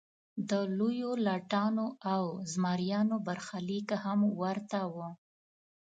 د لویو لټانو او زمریانو برخلیک هم ورته و.